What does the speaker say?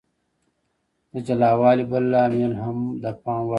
د جلا والي بل لامل هم د پام وړ و.